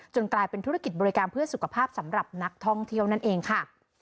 กลายเป็นธุรกิจบริการเพื่อสุขภาพสำหรับนักท่องเที่ยวนั่นเองค่ะ